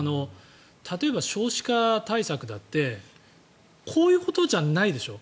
例えば少子化対策だってこういうことじゃないでしょ。